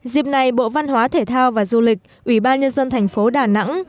dịp này bộ văn hóa thể thao và du lịch ủy ban nhân dân thành phố đà nẵng